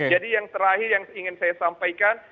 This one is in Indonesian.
jadi yang terakhir yang ingin saya sampaikan